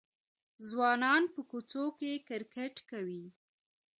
ځوانان په کوڅو کې کرکټ کوي.